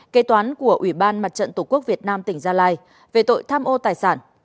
kế toán của ủy ban mặt trận tổ quốc việt nam tỉnh gia lai về tội tham ô tài sản